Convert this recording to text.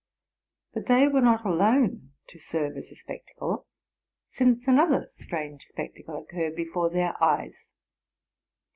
But they were not alone to serve as a spectacle, since another strange spectacle occurred before their eyes.